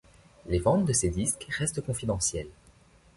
Les ventes de ses disques restent confidentielles.